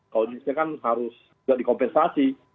kalau di indonesia kan harus nggak dikompensasi